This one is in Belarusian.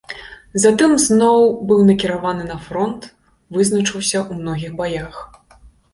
Затым зноў быў накіраваны на фронт, вызначыўся ў многіх баях.